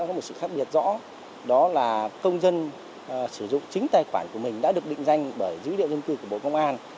nó có một sự khác biệt rõ đó là công dân sử dụng chính tài khoản của mình đã được định danh bởi dữ liệu dân cư của bộ công an